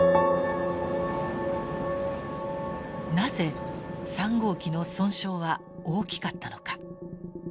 なぜ３号機の損傷は大きかったのか。